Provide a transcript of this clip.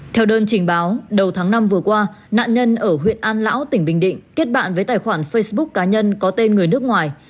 theo đơn trình báo đầu tháng năm vừa qua nạn nhân ở huyện an lão tỉnh bình định kết bạn với tài khoản facebook cá nhân có tên người nước ngoài